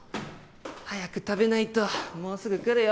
早く食べないともうすぐ来るよ